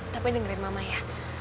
tapi dengerin mama ya